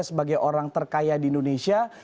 sebagai orang terkaya di indonesia